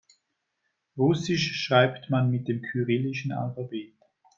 Russisch schreibt man mit dem kyrillischen Alphabet.